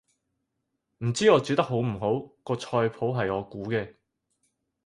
唔知我煮得好唔好，個菜譜係我估嘅